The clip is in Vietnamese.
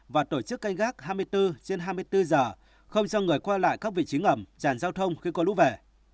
và tổ chức canh gác hai mươi bốn trên hai mươi bốn giờ không cho người qua lại các vị trí ngầm chàn giao thông khi có lũ vẻ